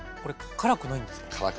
辛くないんですね。